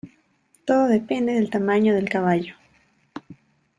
Todo depende del tamaño del caballo.